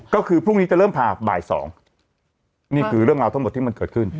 ก็คือพรุ่งนี้จะเริ่มผ่าบ่าย๒นี่คือเรื่องราวทั้งหมดที่มันเกิดขึ้น